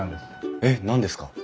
えっ何ですか？